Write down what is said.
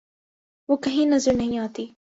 وہ کہیں نظر نہیں آتی۔